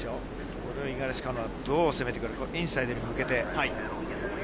これを五十嵐カノア、どう攻めてくるか、インサイドに向けて。